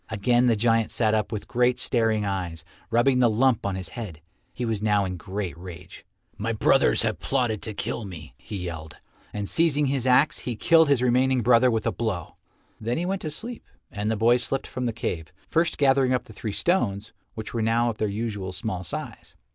Again the giant sat up with great staring eyes, rubbing the lump on his head. He was now in a great rage. "My brothers have plotted to kill me," he yelled, and seizing his axe he killed his remaining brother with a blow. Then he went to sleep, and the boy slipped from the cave, first gathering up the three stones, which were now of their usual small size.